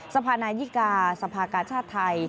สภานายิกาสภากาชาติไทย